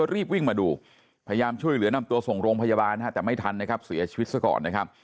รีบวิ่งมาดูพยายามช่วยเหลือนำตัวส่งโรงพยาบาลฮะแต่ไม่ทันนะครับเสียชีวิตซะก่อนนะครับ